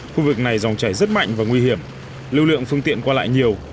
khu vực này dòng chảy rất mạnh và nguy hiểm lưu lượng phương tiện qua lại nhiều